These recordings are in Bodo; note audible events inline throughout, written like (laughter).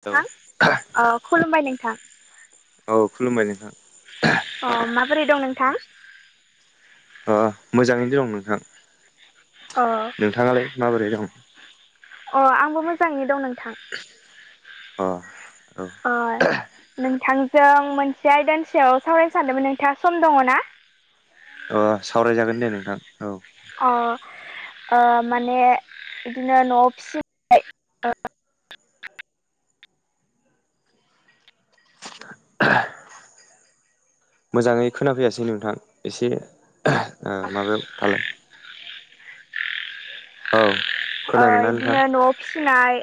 औ थां अ खुलुमबाय नोंथां। औ खुलुमबाय नोंथां अ माबोरै दं नोंथां? अ मोजाङैनो दं नोंथां। अ नोंथाङालाय माबोरै दं? अ आंबो मोजाङैनो दं नोंथां। अ औ। अ नोंथांजों मोनसे आइदानि सायाव सावरायनो सानदोंमोन नोंथाङा सम दङना? अ सावरायजागोन दे नोंथां औ ‌। अ ओ माने बिदिनो न'आव फिसि (inaudible) मोजाङै खोनाफैयासै नोंथां एसे ओ माबायाव थालाय। औ। ओ खोनादोंना नोंथां इदिनो न'आव फिसिनाय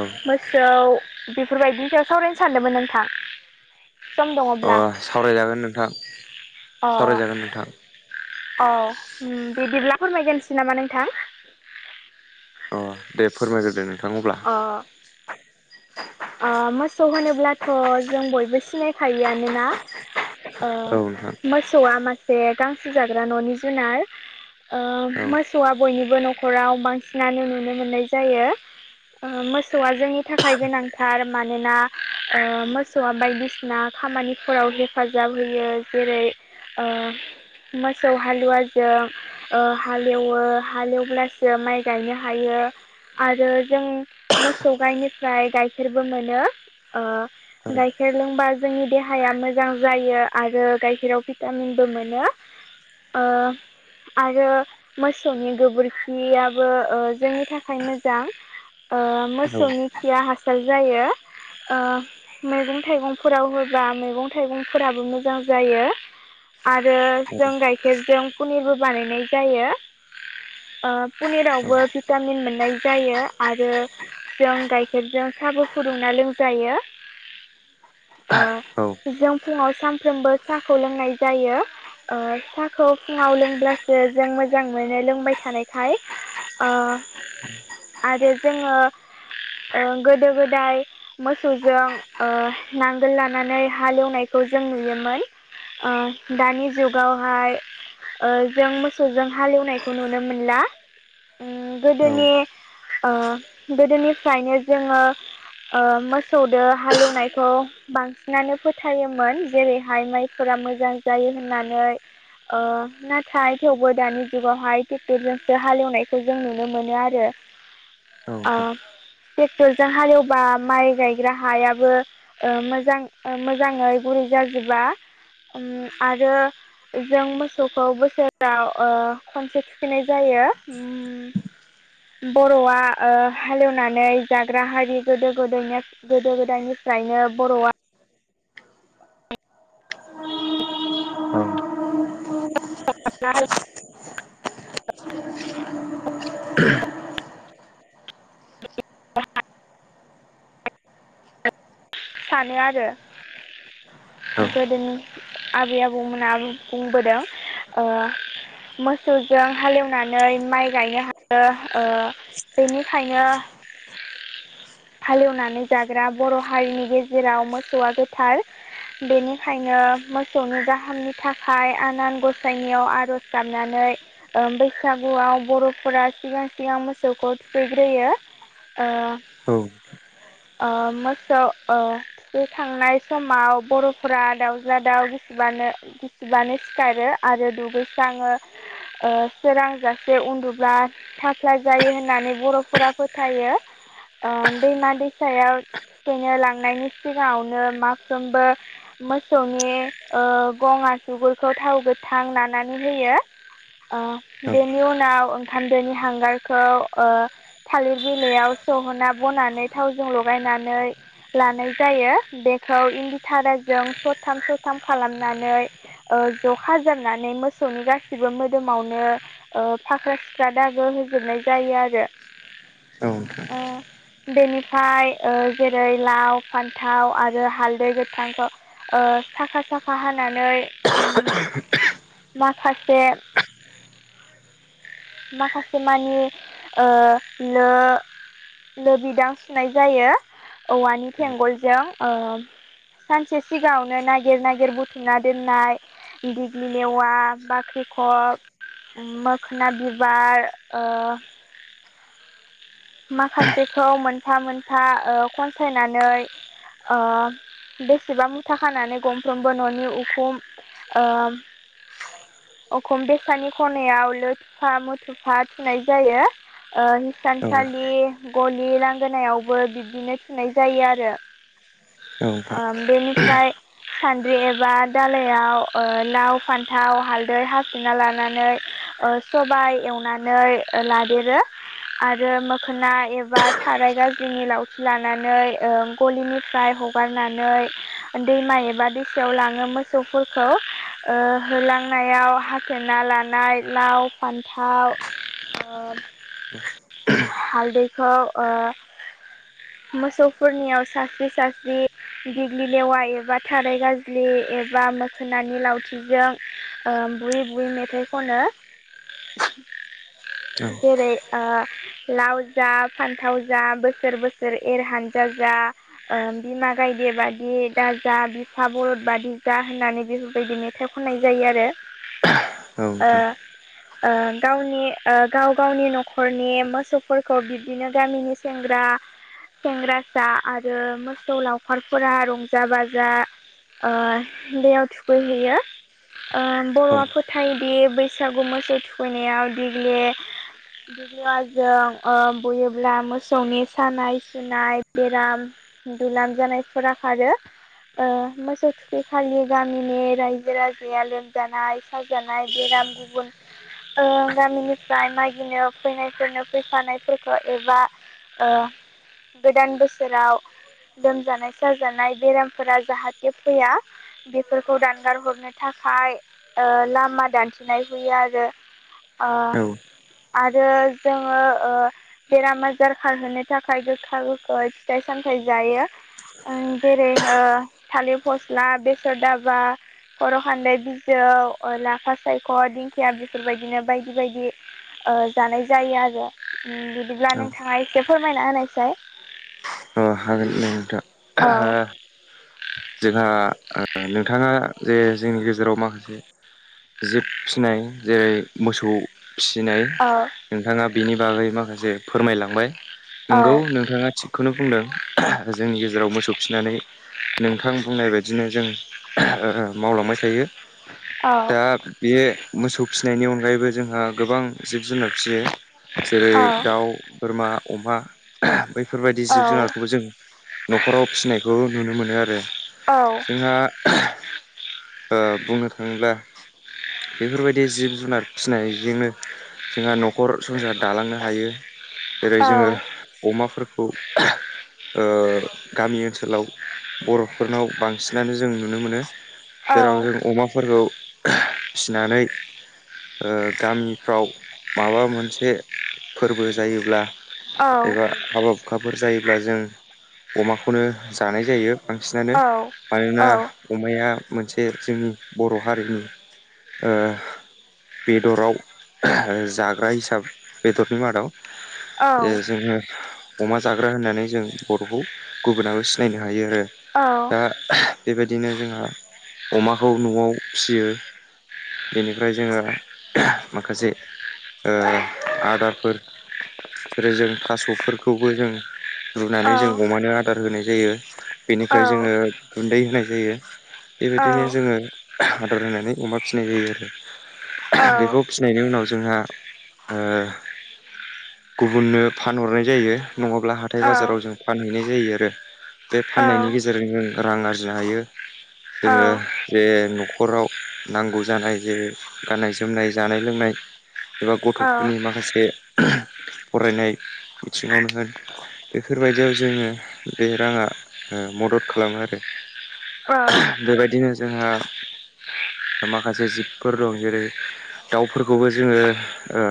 औ मोसौ बेफोरबायदिनि सायाव सावरायनो सानदोंमोन नोंथां। सम अ दङब्ला सावरायजागोन नोंथां सावरायजागोन नोंथां। अ उम बिदिब्ला फोरमायगोनसै नामा नोंथां। अ दे फोरमायग्रदो अ ओ मोसौ होनोब्लाथ' जों बयबो सिनायखायोआनोना। ओ औ नोंथां मोसौआ मासे गांसो जाग्रा न'नि जुनार। औ ओ मोसौआ बयनिबो न'खराव बांसिनानो नुनो मोननाय जायो। ओ मोसौआ जोंनि थाखाय गोनांथार मानोना ओ मोसौआ बायदिसिना खामानिफोराव हेफाजाब होयो जेरै ओ मोसौ हालुवाजों ओ हालेवो हालेवब्लासो माइ गायनो हायो आरो जों मोसौ गाइनिफ्राय गाइखेरबो मोनो ओ औ गाइखेर लोंबा जोंनि देहाया मोजां जायो आरो गाइखेराव भिटामिनबो मोनो। ओ आरो मोसौनि गोबोरखियाबो ओ जोंनि थाखाय मोजां। ओ औ औ मोसौनि खिया हासार जायो। ओ मैगं थाइगंफोराव होबा मैगं थाइगंफोराबो मोजां जायो। आरो जों गाइखेरजों पनिरबो बानायनाय जायो। ओ पनिरावबो भिटामिन मोननाय जायो। आरो जों गाइखेरजों साहाबो फुदुंना लोंजायो। औ जों फुङाव सानफ्रोमबो साखौ लोंनाय जायो। साखौ फुङाव लोंब्लासो जों मोजां मोनो लोंबाय थानायखाय। अ आरो जोंङो गोदो गोदाय मोसौजों ओ नांगोल लानानै हालेवनायखौ जों नुयोमोन। ओ दानि जुगावहाय ओ जों मोसौजों हालेवनायखौ नुनो मोनला औ गोदोनि ओ गोदोनिफ्रायनो जोंङो मोसौदो हालेवनायखौ बांसिनानो फोथायोमोन जेरैहाय माइफोरा मोजां जायो होननानै। ओ नाथाय थेवबो दानि जुगावहाय ट्रेक्टरजोंसो हालेवनायखौ जों नुनो मोनो आरो। ओ नोंथां ट्रेक्टरजों हालेवबा माइ गायग्रा हायाबो ओ मोजां मोजाङै गुरै जाजोबा आरो जों मोसौखौ बोसोराव ओ खनसे थुखैनाय जायो। बर'आ ओ हालेवनानै जाग्रा हारि गोदो गोदायनि गोदो गोदायनिफ्रायनो बर'आ औ (unintelligible) सानो आरो औ गोदोनि आबै आबौमोनाबो बुंबोदों मोसौजों हालेवनानै माइ गायनो हायो ओ बेनिखायनो हालेवनानै जाग्रा बर' हारिनि गेजेराव मोसौआ गोथार। बेनिखायनो मोसौनि गाहामनि थाखाय आनान गसाइनाययाव आरज गाबनानै ओ बैसागुआव बर'फोरा सिगां सिगां मोसौखौ थुखैग्रोयो। ओ औ ओ मोसौ ओ थुखै खांनाय समाव बर'फोरा दाउज्ला दाउ गिसिबानो गिसिबानो सिखारो आरो दुगैसो स्रांङो ओ सोरां जासे उन्दुब्ला थाफ्ला जायो होननानै बर'फोरा फोथायो। ओ दैमा दैसायाव थुखैनो लांनायनि सिगाङावनो माफ्रोमबो मोसौनि ओ गं आसुगुरखौ थाव गोथां नानानै होयो। ओ बेनि उनाव ओंखाम दोनि हांगारखौ ओ थालिर बिलाइयाव सहोना बनानै थावजों लगायनानै लानाय जायो, बेखौ इन्दिधाराजों सरथाम सरथाम खालामनानै ओ ज' खाजोबनानै मोसौनि गासिबो मोदोमावनो फाख्रा सिख्रा दागो होजोबनाय जायो आरो। औ नोंथां। ओ बेनिफ्राय ओ जेरै लाव, फान्थाव आरो हालदै गोथांखौ ओ साखा साखा हानानै ओम माखासे माखासे मानि ओ लो लो बिदां सुनाय जायो औवानि थेंगलजों ओ सानसे सिगाङावनो नागिर नागिर बुथुमना दोननाय दिग्लिलेवा, बाख्रिखब, मोखोना बि बा ओ माखासेखौ मोनफा मोनफा ओ खनसायनानै ओ बेसेबा मुथा खानानै गंफ्रोमबो न'नि उखुम ओ उखुम बेसानि खनायाव लोथुफा मुथुफा थुनाय जायो। ओ सालि गलि लांगोनायावबो बिब्दिनो थुनाय जायो आरो। ओ औ बेनिफ्राय सान्द्रि एबा दालायाव ओ लाव फान्थाव हालदै हाफ्लेना लानानै ओ सबाय एवनानै लादेरो। ओ मोखोना एबा थाराय गाज्लिनि लावथि लानानै ओ गलिनिफ्राय हगारनानै दैमा एबा दैसायाव लाङो मोसौफोरखौ। ओ होलांनायाव हाफ्लेना लानाय लाव फान्थाव ओ हालदैखौ ओ मोसौफोरनियाव सास्रि सास्रि दिग्लि लेवा एबा थाराय गाज्लि एबा मोखोनानि लावथिजों ओ बुयै बुयै मेथाइ खनो। जेरै ओ लाव जा फान्थाव जा बोसोर बोसोर एर हान्जा जा ओ बिमा गायदे बादि दाजा बिफा बलद बादि जा होननानै बेफोरबायदि मेथाइ खननाय जायो आरो। औ ओ नोंथां ओ गावनि ओ गाव गावनि न'खरनि मोसौफोरखौ बिब्दिनो गामिनि सेंग्रा सेंग्रासा आरो मोसौ लावखारफोरा रंजा बाजा ओ दैयाव थुखैहैयो। ओ औ बर'आ फोथायोदि बैसागु मोसौ थुखैनायाव देग्लि लेवाजों ओ बुयोब्ला मोसौनि सानाय सुनाय बेराम दुलाम जानायफोरा खारो। ओ मोसौ थुखिखालि गामिनि रायजो राजाया लोमजानाय साजानाय बेराम गुबुन ओ गामिनिफ्राय मागिनो फैनायफोरनो फैफानायफोरखौ एबा ओ गोदान बोसोराव लोमजानाय साजानाय बेरामफोरा जाहाथे फैया बेफोरखौ दानगार हरनो थाखाय ओ लामा दान्थिनाय हुयो आरो। ओ औ आरो जोङो ओ‌ बेराम आजार खारहोनो थाखाय गोखा गोखै फिथाइ सामथाय जायो। ओ जेरै ओ थालिर फस्ला बेसर दाबा खर' खान्दाय बिजौ ओ लाफा सायख' दिंखिया बेफोरबायदिनो बायदि बायदि ओ जानाय जायो आरो ओम बिदिब्ला औ नोंथाङा एसे फोरमायना होनायसाय। ओ हागोन नोंथां। औ। जेला ओ नोंथाङा जे जोंनि गेजेराव माखासे जिब फिसिनाय जेरै मोसौ फिसिनाय। ओ नोंथाङा बेनि बागै माखासे फोरमायलांबाय। नोंगौ नोंथाङा थिगखौनो बुंदों। जोंनि गेजेराव मोसौ फिसिनानै नोंथां बुंनाय बायदिनो जों ओ मावलांबाय थायो। अ। दा बे मोसौ फिसिनायनि अनगायैबो जोंहा गोबां जिब जुनार फिसियो। जेरै दाउ बोरमा अमा बै बेफोरबायदि जिब जुनारखौबो जों न'खराव फिसिनायखौ नुनो मोनो आरो औ। जोंहा ओ बुंनो थांङोब्ला बेफोरबायदि जिब जुनार फिसिनायजोंनो जोंहा न'खर संसार दालांनो हायो। जेरै जोङो अमाफोरखौ ओ गामि ओनसोलाव बर'फोरनाव बांसिनानो जों नुनो मोनो। जेराव जों अमाफोरखौ (unintelligible) फिसिनानै ओ गामिफ्राव माबा मोनसे फोरबो जायोब्ला एबा हाबा हुखाफोर जायोब्ला जों अमाखौनो जानाय जायो। बांसिनानो मानोना अमाया मोनसे जोंनि बर' हारिनि ओ बेदराव (unintelligible) जाग्रा हिसाब बेदरनि मादाव ओ जोङो अमा जाग्रा होननानै जों बर'खौ गुबुनाबो सिनायनो हायो आरो दा बेबायदिनो जोंहा अमाखौ न'आव फिसियो। बेनिफ्राय जोङो माखासे ओ आदारफोर जेरै जों थास'फोरखौबो जों रुनानै जों अमानो आदार होनाय जायो। बेनिफ्राय जोङो गुन्दै होनाय जायो। बेबायदिनो जोङो आदार होनानै अमा फिसिनाय जायो आरो बेखौ फिसिनायनि उनाव जोंहा ओ गुबुननो फानहरनाय जायो नङाब्ला हाथाय बाजाराव जों फानहैनाय जायो आरो बे फाननायनि गेजेरजों जों रां आरजिनो हायो जोङो जे न'खराव नांगौ जानाय जे गाननाय जोमनाय जानाय लोंनाय एबा गथ'फोरनि माखासे फरायनाय बिथिङावनो होन बेफोर बायदियाव जोङो बे राङा ओ मदद खालामो आरो बेबायदिनो जोंहा माखासे जिबफोर दं। जेरै दाउफोरखौबो जोङो ओ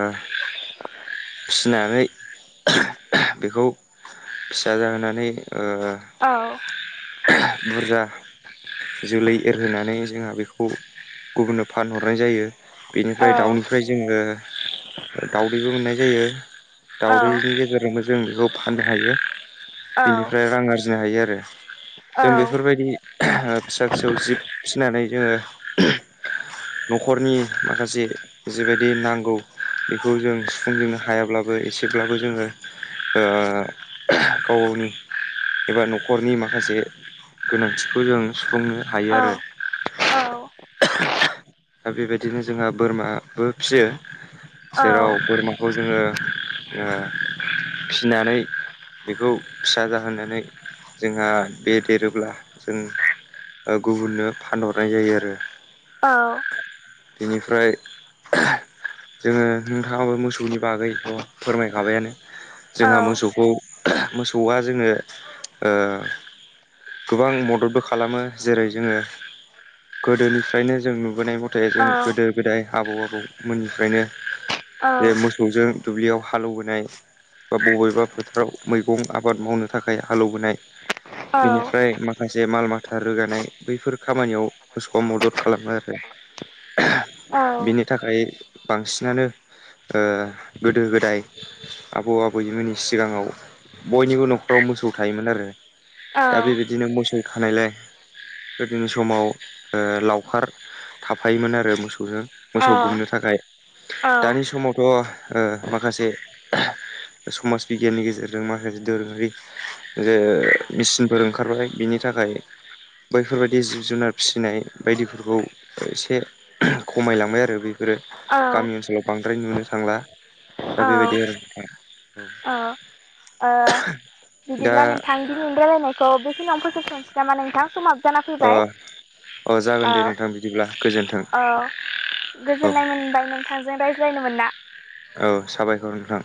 फिसिनानै (unintelligible) बेखौ फिसा जाहोनानै ओ औ। बुरजा जोलै एरहोनानै जोंहा बेखौ गुबुननो फानहरनाय जायो। बेनिफ्राय दाउनिफ्राय जोंङो दाावदैबो मोननाय जायो दाउदैनि गेजेरजोंबो जों बेखौ फाननो हायो बेनिफ्राय रां आरजिनो हायो आरो जों बेफोरबायदि फिसा फिसौ जिब फिसिनानै जोंङो न'खरनि माखासे जिबायदि नांगौ बेखौ जों सुफुंजोंनो हायाब्लाबो एसेब्लाबो जोंङो गाव गावनि एबा न' खरनि माखासे गोनांथिखौ जों सुफुंनो हायो आरो औ दा बेबायदिनो जोंहा बोरमाबो फियो जेराव बोरमाखौ जोंङो फिनानै बेखौ फिसा जाहोनानै जोंहा बे देरोब्ला जों गुबुननो फानहरनाय जायो आरो बेनिफ्राय जोङो नोंथाङाबो मोसौनि बागैथ' फोरमायखाबायानो। जोंहा मोसौखौ मोसौआ जोङो ओ गोबां मददबो खालामो जेरै जोङो गोदोनिफ्रायनो जों नु लाबोनाय मथे जों गोदो गोदाय आबौ आबौमोननिफ्रायनो जे मोसौजों दुब्लियाव हालौबोनाय बा बबेबा फोथाराव मैगं आबाद मावनो थाखाय हालौवबोनाय बेनिफ्राय माखासे माल माथा रोगानाय बैफोर खामानियाव गोसबआ मदद खालामो आरो। (inaudible) बिनि थाखाय बांसिनानो ओ गोदो गोदाय आबौ आबैमोननि सिगाङाव बयनिबो न'खराव मोसौ थायोमोन आरो दा बेबायदिनो मोसौ थानायलाय गोदोनि समाव लावखार थाफायोमोन आरो मोसौजों मोसौ गुमनो थाखाय दानि समावथ' ओ माखासे समाज बिगियाननि गेजेरजों माखासे दोरोङारि जे मेचिनफोर ओंखारबाय बिनि थाखाय बैफोरबायदि जिब जुनार फिसिनाय बायदिफोरखौ एसे खमायलांबाय आरो बेफोरो गामि ओनसोलाव बांद्राय नुनो थांला दा बेबायदि आरो औ। दा बिदिब्ला नोंथां दिनैनि रायलायनायखौ बेखिनियावनो फोजोबसनसै नामा नोंथां समाबो जाना अ फैबाय। जागोन अ दे नोंथां बिदिब्ला गोजोन्थों अ औ गोजोननाय मोनबाय नोंथां। जों रायज्लायनो मोनना औ साबायखर नोंथां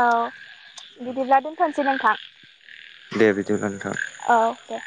औ बिदिब्ला दोनथ'सै नोंथां दे बिदिब्ला नोंथां। औ दे।